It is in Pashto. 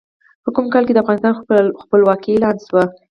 په کوم کال کې د افغانستان خپلواکي اعلان شوه؟